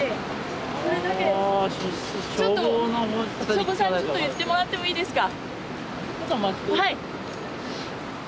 消防さんにちょっと言ってもらってもいいですか。